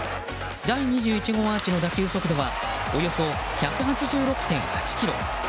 第２１号アーチの打球速度はおよそ１８６．８キロ。